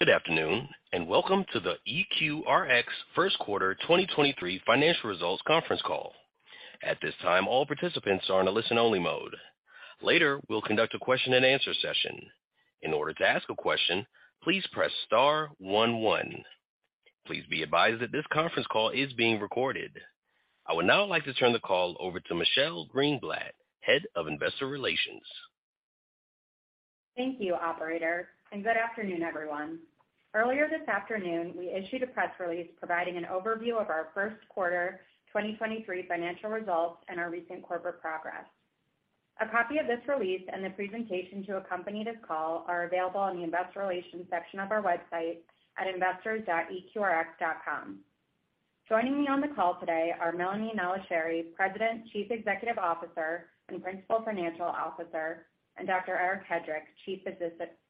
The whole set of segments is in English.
Good afternoon. Welcome to the EQRx First Quarter 2023 Financial Results Conference Call. At this time, all participants are on a listen-only mode. Later, we'll conduct a question and answer session. In order to ask a question, please press star one one. Please be advised that this conference call is being recorded. I would now like to turn the call over to Michelle Greenblatt, Head of Investor Relations. Thank you operator. Good afternoon, everyone. Earlier this afternoon, we issued a press release providing an overview of our First Quarter 2023 Financial Results and our recent corporate progress. A copy of this release and the presentation to accompany this call are available on the investor relations section of our website at investors.eqrx.com. Joining me on the call today are Melanie Nallicheri, President, Chief Executive Officer and Principal Financial Officer, and Dr. Eric Hedrick, Chief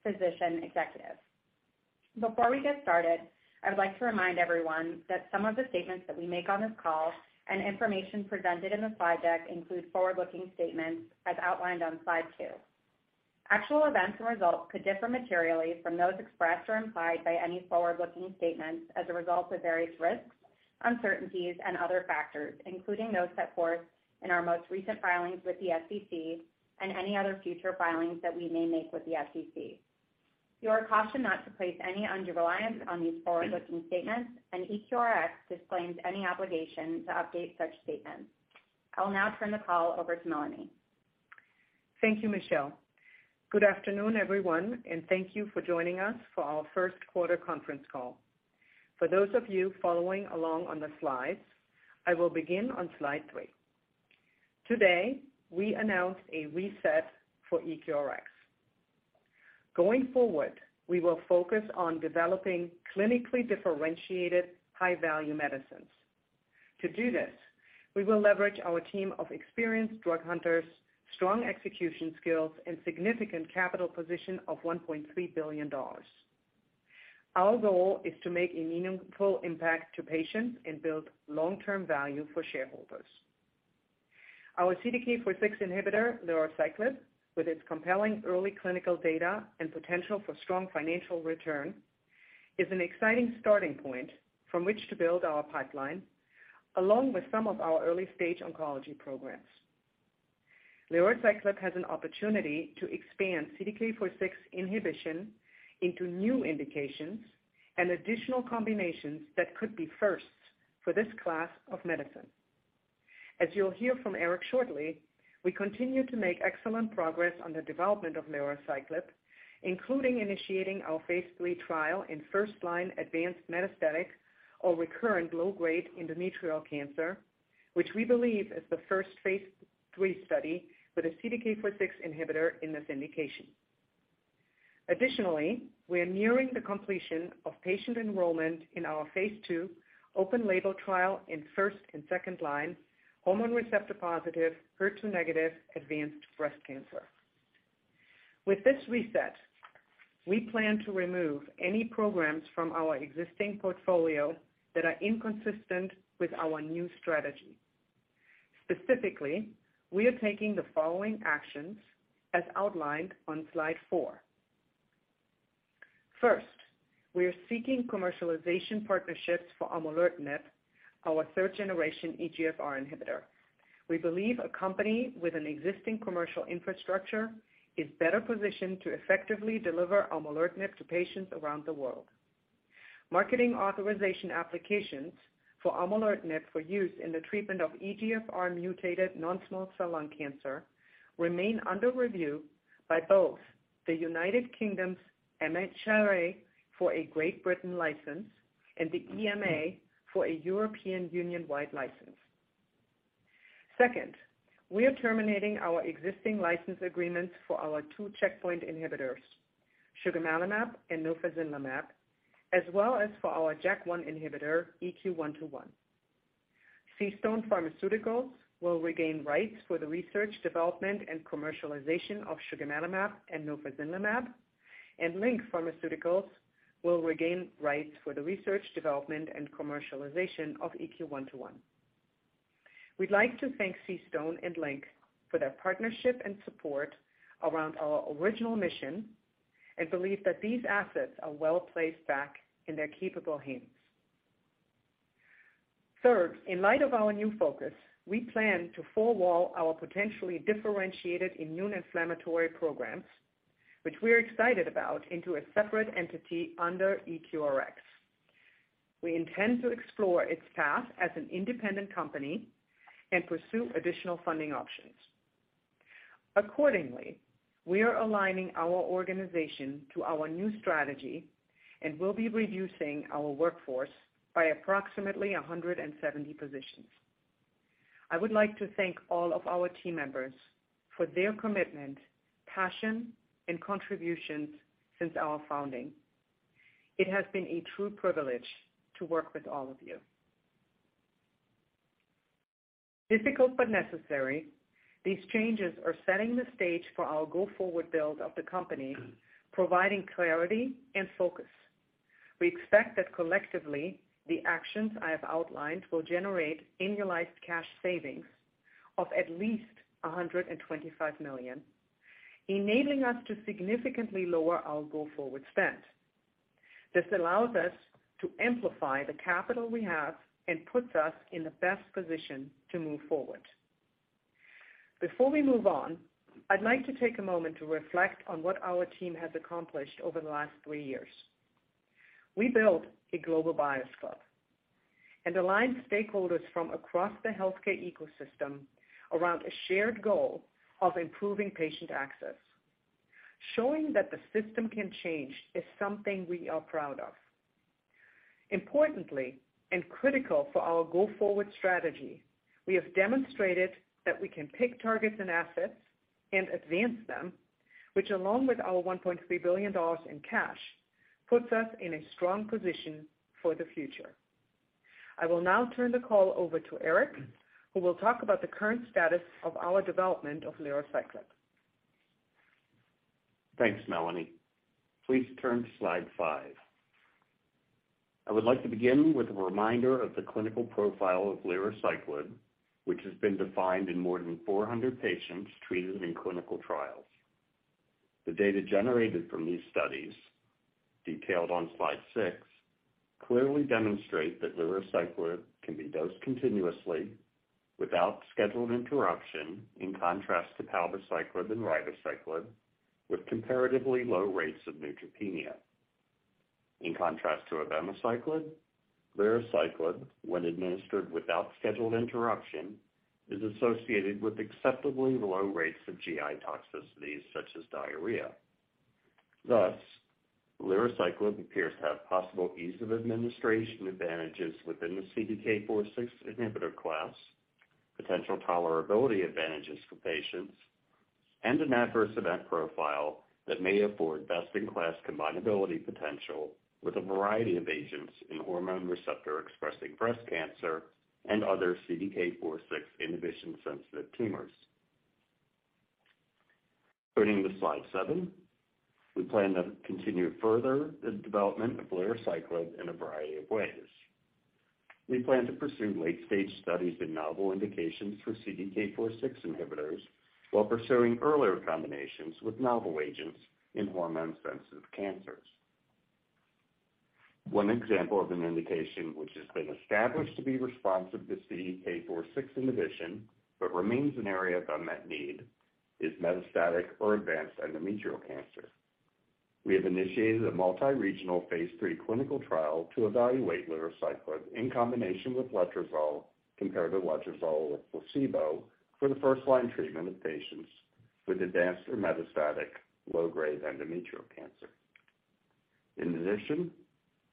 Physician Executive. Before we get started, I would like to remind everyone that some of the statements that we make on this call and information presented in the slide deck include forward-looking statements as outlined on slide two. Actual events and results could differ materially from those expressed or implied by any forward-looking statements as a result of various risks, uncertainties, and other factors, including those set forth in our most recent filings with the SEC and any other future filings that we may make with the SEC. You are cautioned not to place any undue reliance on these forward-looking statements. EQRx disclaims any obligation to update such statements. I'll now turn the call over to Melanie. Thank you, Michelle. Good afternoon, everyone. Thank you for joining us for our first quarter conference call. For those of you following along on the slides, I will begin on slide three. Today, we announce a reset for EQRx. Going forward, we will focus on developing clinically differentiated high-value medicines. To do this, we will leverage our team of experienced drug hunters, strong execution skills, and significant capital position of $1.3 billion. Our goal is to make a meaningful impact to patients and build long-term value for shareholders. Our CDK4/6 inhibitor, lerociclib, with its compelling early clinical data and potential for strong financial return, is an exciting starting point from which to build our pipeline, along with some of our early-stage oncology programs. Lerociclib has an opportunity to expand CDK4/6 inhibition into new indications and additional combinations that could be firsts for this class of medicine. As you'll hear from Eric shortly, we continue to make excellent progress on the development of lerociclib, including initiating our phase III trial in first-line advanced metastatic or recurrent low-grade endometrial cancer, which we believe is the first phase III study with a CDK4/6 inhibitor in this indication. Additionally, we're nearing the completion of patient enrollment in our phase II open-label trial in first- and second-line hormone receptor positive, HER2-negative advanced breast cancer. With this reset, we plan to remove any programs from our existing portfolio that are inconsistent with our new strategy. Specifically, we are taking the following actions as outlined on slide four. First, we are seeking commercialization partnerships for aumolertinib, our third-generation EGFR inhibitor. We believe a company with an existing commercial infrastructure is better positioned to effectively deliver aumolertinib to patients around the world. Marketing authorization applications for aumolertinib for use in the treatment of EGFR mutated non-small cell lung cancer remain under review by both the U.K.'s MHRA for a Great Britain license and the EMA for a European Union-wide license. Second, we are terminating our existing license agreements for our two checkpoint inhibitors, sugemalimab and nofazinlimab, as well as for our JAK1 inhibitor, EQ121. CStone Pharmaceuticals will regain rights for the research, development, and commercialization of sugemalimab and nofazinlimab. Lynk Pharmaceuticals will regain rights for the research, development, and commercialization of EQ121. We'd like to thank CStone and Lynk for their partnership and support around our original mission and believe that these assets are well placed back in their capable hands. Third, in light of our new focus, we plan to firewall our potentially differentiated immune inflammatory programs, which we're excited about, into a separate entity under EQRx. We intend to explore its path as an independent company and pursue additional funding options. Accordingly, we are aligning our organization to our new strategy and will be reducing our workforce by approximately 170 positions. I would like to thank all of our team members for their commitment, passion, and contributions since our founding. It has been a true privilege to work with all of you. Difficult but necessary, these changes are setting the stage for our go-forward build of the company, providing clarity and focus. We expect that collectively, the actions I have outlined will generate annualized cash savings of at least $125 million, enabling us to significantly lower our go-forward spend. This allows us to amplify the capital we have and puts us in the best position to move forward. Before we move on, I'd like to take a moment to reflect on what our team has accomplished over the last three years. We built a global buyers club and aligned stakeholders from across the healthcare ecosystem around a shared goal of improving patient access. Showing that the system can change is something we are proud of. Importantly, critical for our go-forward strategy, we have demonstrated that we can pick targets and assets and advance them, which along with our $1.3 billion in cash, puts us in a strong position for the future. I will now turn the call over to Eric, who will talk about the current status of our development of lerociclib. Thanks, Melanie. Please turn to slide five. I would like to begin with a reminder of the clinical profile of lerociclib, which has been defined in more than 400 patients treated in clinical trials. The data generated from these studies, detailed on slide six, clearly demonstrate that lerociclib can be dosed continuously without scheduled interruption, in contrast to palbociclib and ribociclib, with comparatively low rates of neutropenia. In contrast to abemaciclib, lerociclib, when administered without scheduled interruption, is associated with acceptably low rates of GI toxicities, such as diarrhea. Thus, lerociclib appears to have possible ease of administration advantages within the CDK4/6 inhibitor class, potential tolerability advantages for patients, and an adverse event profile that may afford best-in-class combinability potential with a variety of agents in hormone receptor-expressing breast cancer and other CDK4/6 inhibition-sensitive tumors. Turning to slide seven, we plan to continue further the development of lerociclib in a variety of ways. We plan to pursue late-stage studies in novel indications for CDK4/6 inhibitors while pursuing earlier combinations with novel agents in hormone-sensitive cancers. One example of an indication which has been established to be responsive to CDK4/6 inhibition, but remains an area of unmet need, is metastatic or advanced endometrial cancer. We have initiated a multi-regional phase III clinical trial to evaluate lerociclib in combination with letrozole compared to letrozole with placebo for the first-line treatment of patients with advanced or metastatic low-grade endometrial cancer. In addition,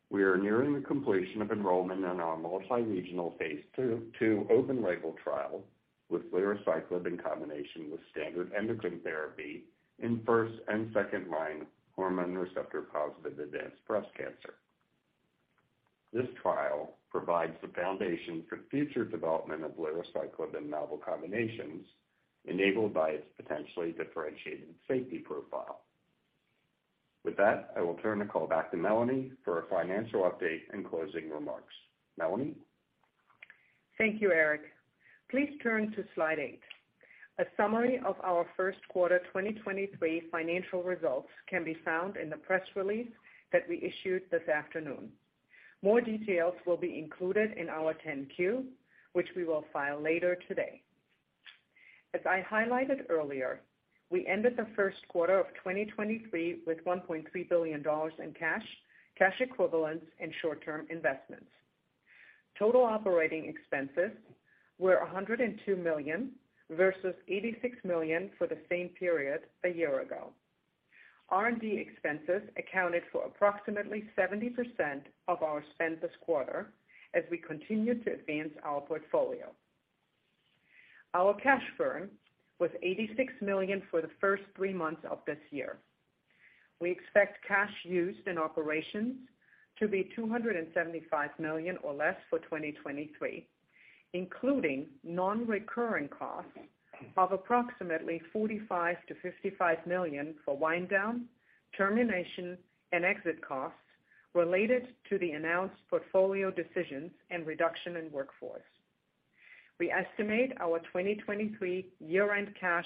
we are nearing the completion of enrollment in our multi-regional phase II open label trial with lerociclib in combination with standard endocrine therapy in first and second-line hormone receptor-positive advanced breast cancer. This trial provides the foundation for future development of lerociclib in novel combinations enabled by its potentially differentiated safety profile. With that, I will turn the call back to Melanie for a financial update and closing remarks. Melanie? Thank you, Eric. Please turn to slide eight. A summary of our first quarter 2023 financial results can be found in the press release that we issued this afternoon. More details will be included in our 10-Q, which we will file later today. As I highlighted earlier, we ended the first quarter of 2023 with $1.3 billion in cash equivalents and short-term investments. Total operating expenses were $102 million versus $86 million for the same period a year ago. R&D expenses accounted for approximately 70% of our spend this quarter as we continued to advance our portfolio. Our cash burn was $86 million for the first three months of this year. We expect cash used in operations to be $275 million or less for 2023, including non-recurring costs of approximately $45 million-$55 million for wind down, termination, and exit costs related to the announced portfolio decisions and reduction in workforce. We estimate our 2023 year-end cash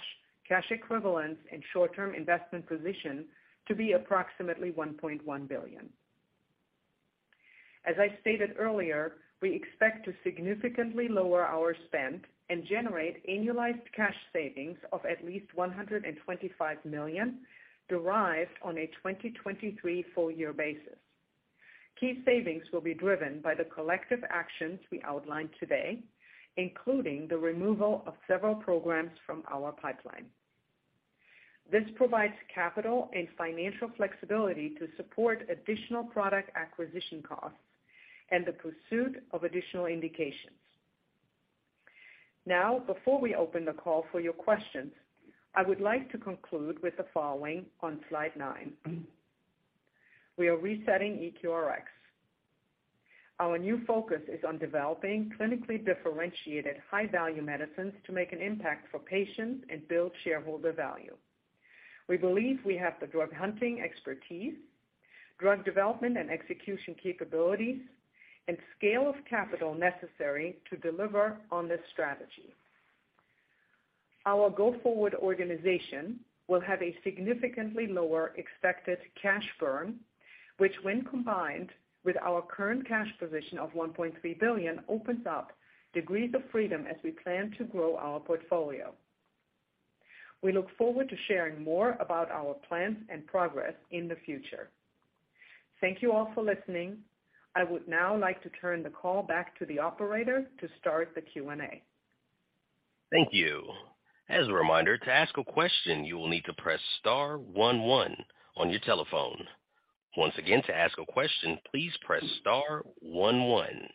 equivalents and short-term investment position to be approximately $1.1 billion. As I stated earlier, we expect to significantly lower our spend and generate annualized cash savings of at least $125 million derived on a 2023 full year basis. Key savings will be driven by the collective actions we outlined today, including the removal of several programs from our pipeline. This provides capital and financial flexibility to support additional product acquisition costs and the pursuit of additional indications. Before we open the call for your questions, I would like to conclude with the following on slide nine. We are resetting EQRx. Our new focus is on developing clinically differentiated high-value medicines to make an impact for patients and build shareholder value. We believe we have the drug hunting expertise, drug development and execution capabilities, and scale of capital necessary to deliver on this strategy. Our go-forward organization will have a significantly lower expected cash burn, which when combined with our current cash position of $1.3 billion, opens up degrees of freedom as we plan to grow our portfolio. We look forward to sharing more about our plans and progress in the future. Thank you all for listening. I would now like to turn the call back to the operator to start the Q&A. Thank you. As a reminder, to ask a question, you will need to press star one one on your telephone. Once again, to ask a question, please press star one one.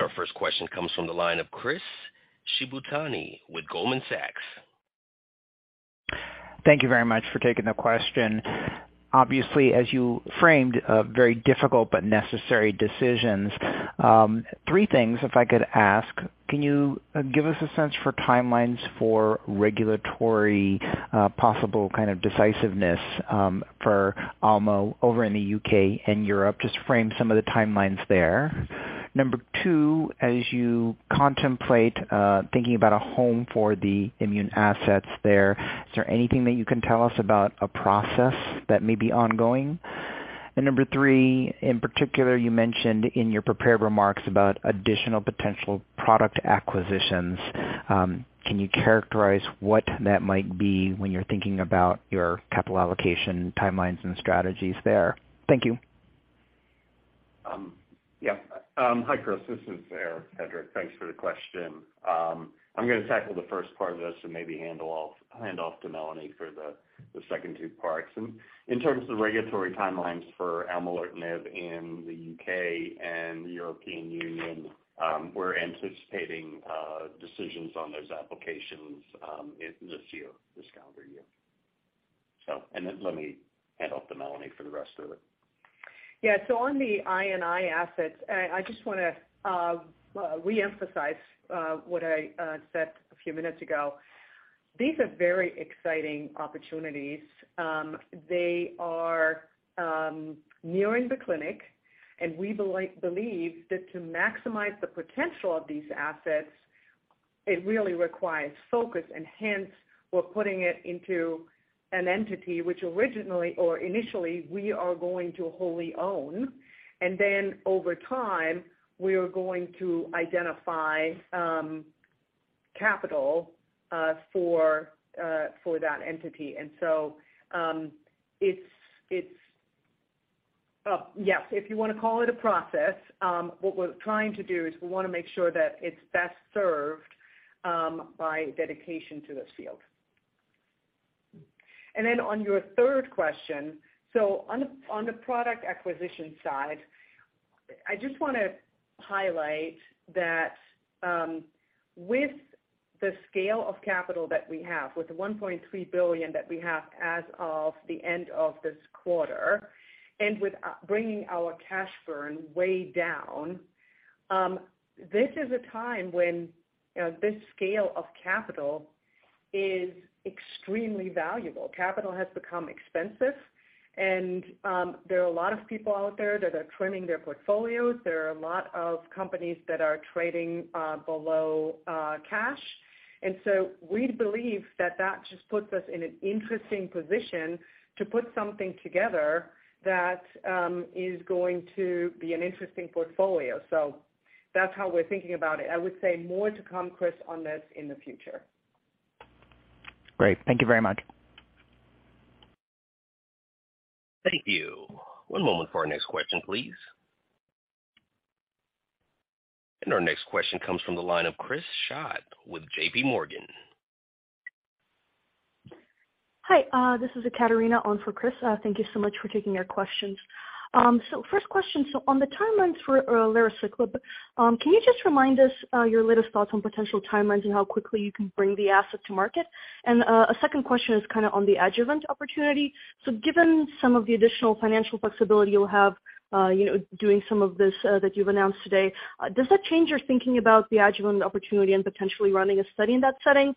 Our first question comes from the line of Chris Shibutani with Goldman Sachs. Thank you very much for taking the question. Obviously, as you framed, very difficult but necessary decisions. Three things if I could ask, can you give us a sense for timelines for regulatory, possible kind of decisiveness, for aumolertinib in the U.K. and Europe? Just frame some of the timelines there. Number two, as you contemplate, thinking about a home for the immune assets there, is there anything that you can tell us about a process that may be ongoing? Number three, in particular, you mentioned in your prepared remarks about additional potential product acquisitions. Can you characterize what that might be when you're thinking about your capital allocation timelines and strategies there? Thank you. Yeah. Hi, Chris. This is Eric Hedrick. Thanks for the question. I'm gonna tackle the first part of this and maybe hand off to Melanie for the second two parts. In terms of regulatory timelines for aumolertinib in the UK and the European Union, we're anticipating decisions on those applications in this year, this calendar year. Let me hand off to Melanie for the rest of it. Yeah. On the I&I assets, I just wanna reemphasize what I said a few minutes ago. These are very exciting opportunities. They are nearing the clinic, and we believe that to maximize the potential of these assets, it really requires focus and hence we're putting it into an entity which originally or initially we are going to wholly own. Over time, we are going to identify capital for that entity. It's, yes, if you wanna call it a process, what we're trying to do is we wanna make sure that it's best served by dedication to this field. On your third question, on the product acquisition side, I just wanna highlight that with the scale of capital that we have, with the $1.3 billion that we have as of the end of this quarter, and with bringing our cash burn way down, this is a time when this scale of capital is extremely valuable. Capital has become expensive. There are a lot of people out there that are trimming their portfolios. There are a lot of companies that are trading below cash. We believe that that just puts us in an interesting position to put something together that is going to be an interesting portfolio. That's how we're thinking about it. I would say more to come, Chris, on this in the future. Great. Thank you very much. Thank you. One moment for our next question, please. Our next question comes from the line of Chris Schott with JPMorgan. Hi, this is Catarina on for Chris. Thank you so much for taking our questions. First question, on the timelines for lerociclib, can you just remind us your latest thoughts on potential timelines and how quickly you can bring the asset to market? A second question is kinda on the adjuvant opportunity. Given some of the additional financial flexibility you'll have, you know, doing some of this that you've announced today, does that change your thinking about the adjuvant opportunity and potentially running a study in that setting?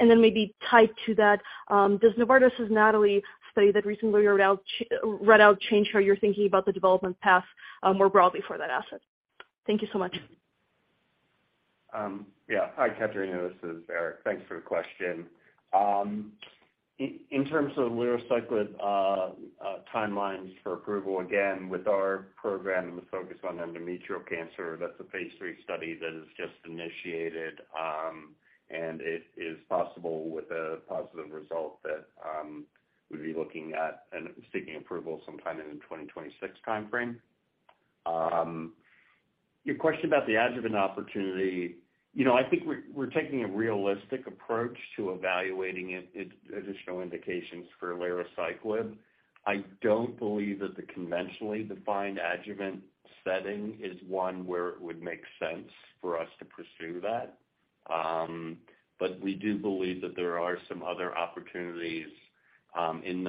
Maybe tied to that, does Novartis' NATALEE study that recently read out change how you're thinking about the development path more broadly for that asset? Thank you so much. Yeah. Hi, Catarina. This is Eric. Thanks for the question. In terms of lerociclib timelines for approval, again, with our program and the focus on endometrial cancer, that's a phase III study that is just initiated. It is possible with a positive result that we'd be looking at and seeking approval sometime in the 2026 timeframe. Your question about the adjuvant opportunity. I think we're taking a realistic approach to evaluating it additional indications for lerociclib. I don't believe that the conventionally defined adjuvant setting is one where it would make sense for us to pursue that. We do believe that there are some other opportunities in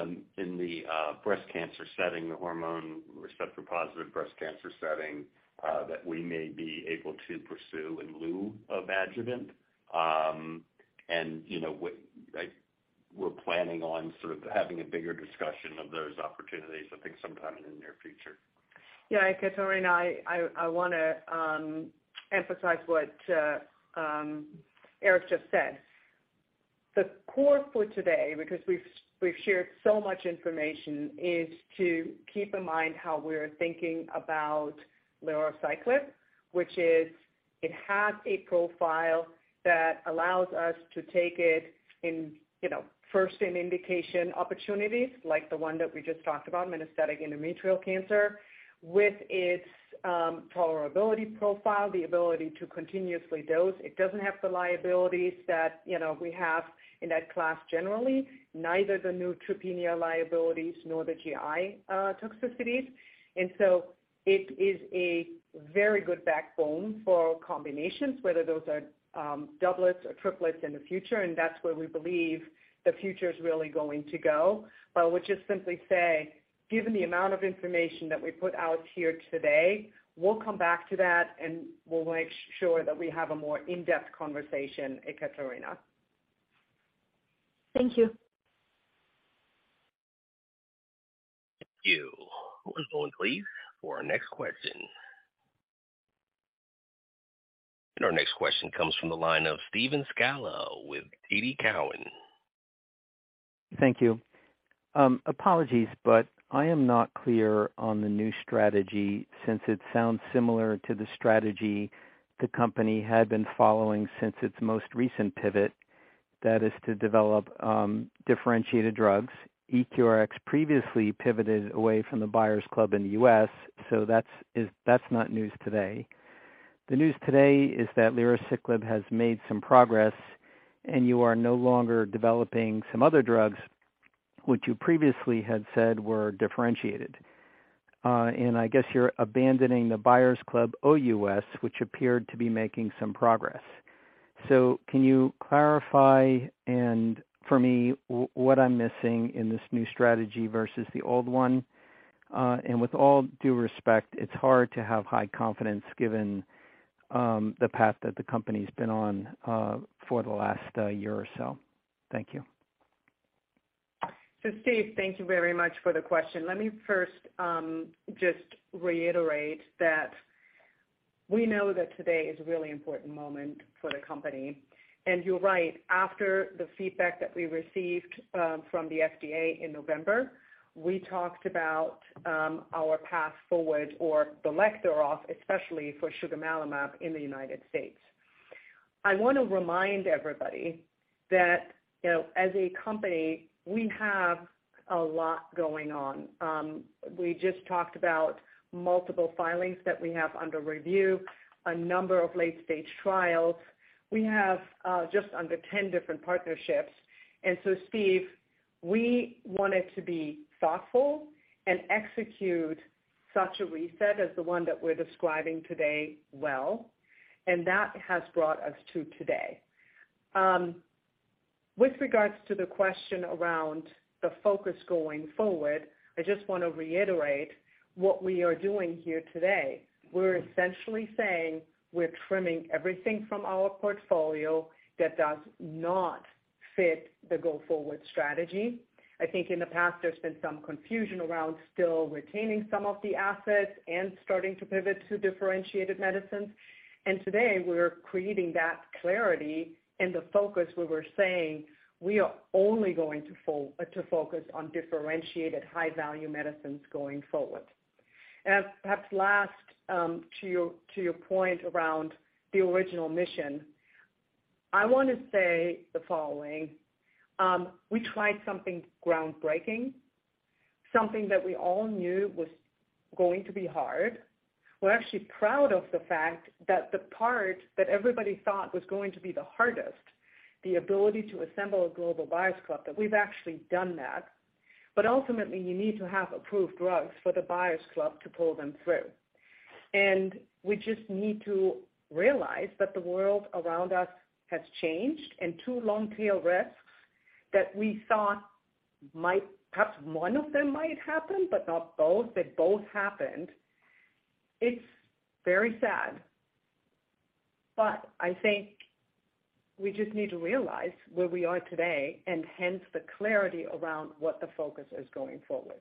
the breast cancer setting, the hormone receptor positive breast cancer setting, that we may be able to pursue in lieu of adjuvant. We're planning on sort of having a bigger discussion of those opportunities, I think, sometime in the near future. Yeah. Catarina, I wanna emphasize what Eric just said. The core for today, because we've shared so much information, is to keep in mind how we're thinking about lerociclib, which is it has a profile that allows us to take it in, you know, first in indication opportunities like the one that we just talked about, metastatic endometrial cancer. With its tolerability profile, the ability to continuously dose, it doesn't have the liabilities that, you know, we have in that class generally, neither the neutropenia liabilities nor the GI toxicities. It is a very good backbone for combinations, whether those are doublets or triplets in the future, and that's where we believe the future is really going to go. I would just simply say, given the amount of information that we put out here today, we'll come back to that, and we'll make sure that we have a more in-depth conversation, Catarina. Thank you. Thank you. One moment please for our next question. Our next question comes from the line of Steve Scala with TD Cowen. Thank you. Apologies, but I am not clear on the new strategy since it sounds similar to the strategy the company had been following since its most recent pivot, that is to develop differentiated drugs. EQRx previously pivoted away from the buyers club in the US, so that's not news today. The news today is that lerociclib has made some progress, and you are no longer developing some other drugs which you previously had said were differentiated. I guess you're abandoning the buyers club OUS, which appeared to be making some progress. Can you clarify and for me, what I'm missing in this new strategy versus the old one? With all due respect, it's hard to have high confidence given the path that the company's been on for the last year or so. Thank you. Steve, thank you very much for the question. Let me first just reiterate that we know that today is a really important moment for the company. You're right, after the feedback that we received from the FDA in November, we talked about our path forward or the vector of, especially for sugemalimab in the United States. I wanna remind everybody that, you know, as a company, we have a lot going on. We just talked about multiple filings that we have under review, a number of late-stage trials. We have just under 10 different partnerships. Steve, we wanted to be thoughtful and execute such a reset as the one that we're describing today well, and that has brought us to today. With regards to the question around the focus going forward, I just wanna reiterate what we are doing here today. We're essentially saying we're trimming everything from our portfolio that does not fit the go-forward strategy. I think in the past there's been some confusion around still retaining some of the assets and starting to pivot to differentiated medicines. Today we're creating that clarity and the focus where we're saying we are only going to focus on differentiated high-value medicines going forward. Perhaps last, to your point around the original mission, I wanna say the following. We tried something groundbreaking, something that we all knew was going to be hard. We're actually proud of the fact that the part that everybody thought was going to be the hardest, the ability to assemble a global buyers club, that we've actually done that. Ultimately, you need to have approved drugs for the buyers club to pull them through. We just need to realize that the world around us has changed and two long tail risks that we thought might, perhaps one of them might happen, but not both. They both happened. It's very sad, but I think we just need to realize where we are today and hence the clarity around what the focus is going forward.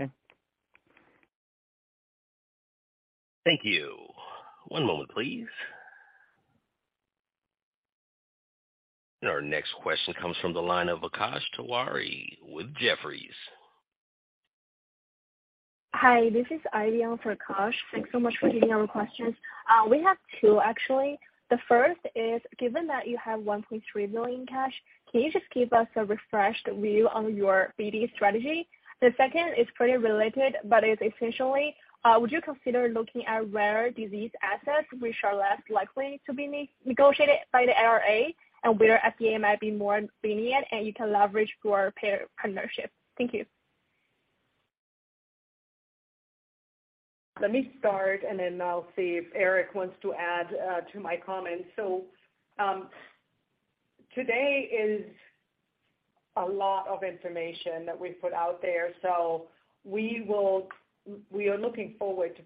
Okay. Thank you. One moment, please. Our next question comes from the line of Akash Tewari with Jefferies. Hi, this is Ivy on for Akash. Thanks so much for taking our questions. We have two actually. The first is, given that you have $1.3 billion cash, can you just give us a refreshed view on your BD strategy? The second is pretty related, but it's essentially, would you consider looking at rare disease assets which are less likely to be negotiated by the IRA and where FDA might be more lenient and you can leverage through our pair-partnership? Thank you. Let me start and then I'll see if Eric wants to add to my comments. Today is a lot of information that we've put out there, so we are looking forward to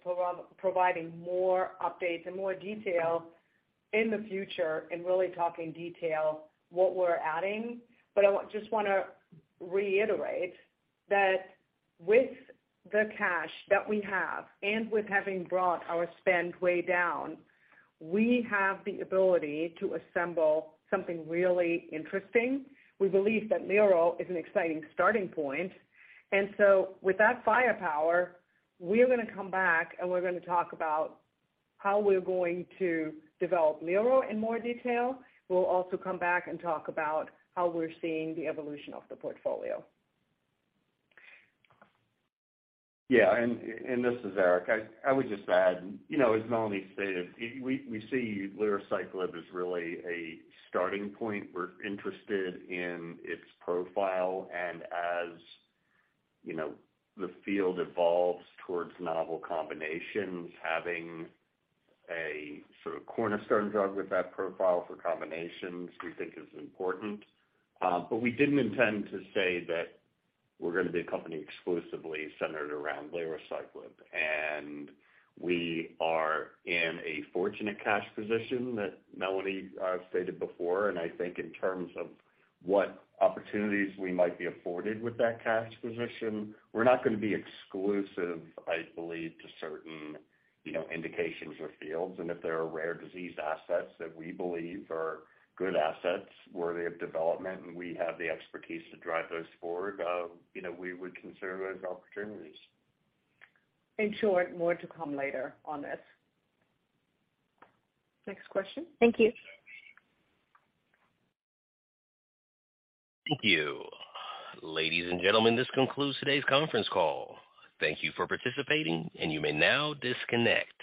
providing more updates and more detail in the future and really talk in detail what we're adding. I just wanna reiterate that with the cash that we have and with having brought our spend way down, we have the ability to assemble something really interesting. We believe that lero is an exciting starting point. With that firepower, we are gonna come back, and we're gonna talk about how we're going to develop lero in more detail. We'll also come back and talk about how we're seeing the evolution of the portfolio. This is Eric. I would just add, you know, as Melanie stated, we see lerociclib as really a starting point. We're interested in its profile, and as, you know, the field evolves towards novel combinations, having a sort of cornerstone drug with that profile for combinations, we think is important. We didn't intend to say that we're gonna be a company exclusively centered around lerociclib. We are in a fortunate cash position that Melanie stated before. I think in terms of what opportunities we might be afforded with that cash position, we're not gonna be exclusive, I believe, to certain, you know, indications or fields. If there are rare disease assets that we believe are good assets worthy of development and we have the expertise to drive those forward, you know, we would consider those opportunities. In short, more to come later on this. Next question. Thank you. Thank you. Ladies and gentlemen, this concludes today's conference call. Thank you for participating, and you may now disconnect.